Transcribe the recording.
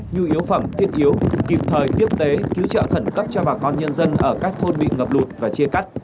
nhu yếu phẩm thiết yếu kịp thời tiếp tế cứu trợ khẩn cấp cho bà con nhân dân ở các thôn bị ngập lụt và chia cắt